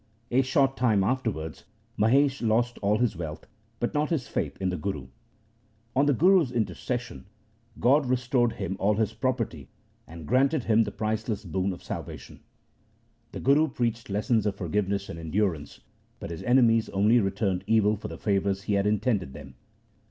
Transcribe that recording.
A short time afterwards Mahesha lost all his wealth, but not his faith in the Guru. On the Guru's intercession God restored him all his property, and granted him the priceless boon of salvation. The Guru preached lessons of forgiveness and endurance, but his enemies only returned evil for the favours he had intended them.